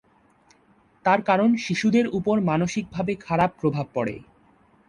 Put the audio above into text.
তার কারণ শিশুদের উপর মানসিকভাবে খারাপ প্রভাব পড়ে।